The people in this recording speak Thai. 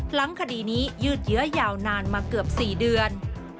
หลังคดีนี้ยืดเยื้อยาวนานมาเกือบ๔เดือน